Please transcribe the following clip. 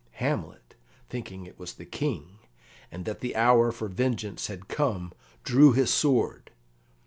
Hamlet, thinking it was the King, and that the hour for vengeance had come, drew his sword.